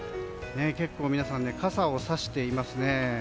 結構、皆さん傘をさしていますね。